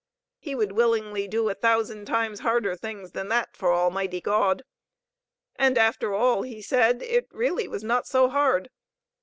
He would willingly do a thousand times harder things than that for Almighty God. And after all, he said, it really was not so hard.